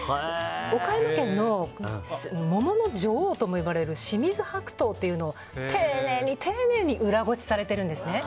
岡山県の桃の女王とも呼ばれる清水白桃というのを丁寧に丁寧に裏ごしされているんですね。